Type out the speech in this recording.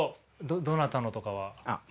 どなたのとかは？